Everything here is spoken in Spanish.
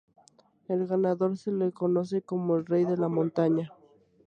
Al ganador se le conoce como el "rey de la montaña".